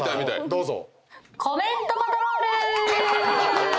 どうぞ。